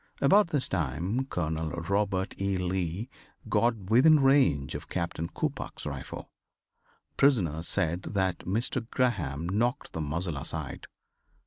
About this time Colonel Robert E. Lee got within range of Captain Coppoc's rifle. Prisoners said that Mr. Graham knocked the muzzle aside.